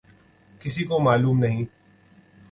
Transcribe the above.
کسی کو معلوم نہیں۔